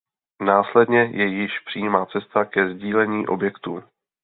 Následně je již přímá cesta ke sdílení objektů.